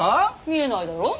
見えないだろ。